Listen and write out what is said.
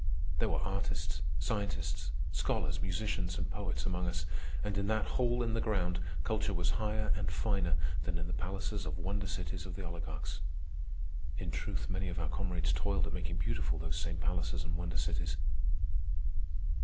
There were artists, scientists, scholars, musicians, and poets among us; and in that hole in the ground culture was higher and finer than in the palaces of wonder cities of the oligarchs. In truth, many of our comrades toiled at making beautiful those same palaces and wonder cities.